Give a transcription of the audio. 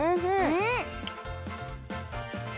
うん！